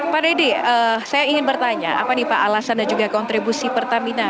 pak deddy saya ingin bertanya apa nih pak alasan dan juga kontribusi pertamina